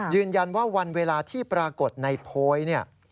ยืนยันว่าวันเวลาที่ปรากฏในโพยเนี่ย